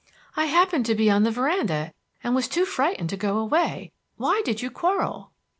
"I happened to be on the veranda, and was too frightened to go away. Why did you quarrel?"